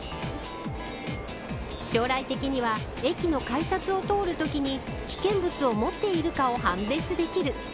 将来的には駅の改札を通るときに危険物を持っているかを判別できる。